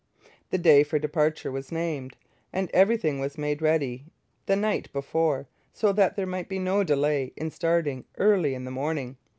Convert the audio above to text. The day for departure was named, and everything was made ready the night before so that there might be no delay in starting early in the morning.